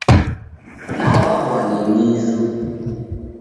Naw'aw'a ni mizu.